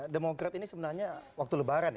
demokrat ini sebenarnya waktu lebaran ya